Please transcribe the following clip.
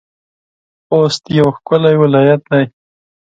خوست يو ښکلی ولايت دی.